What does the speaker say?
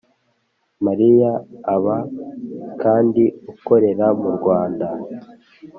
Mariya aba kandi ukorera mu Rwanda